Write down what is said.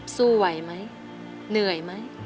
สู้ไหวไหมเหนื่อยไหม